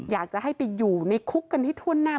อยากจะให้ไปอยู่ในคุกกันให้ทั่วหน้า